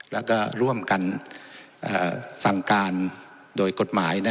แล้วก็ร่วมกันสั่งการโดยกฎหมาย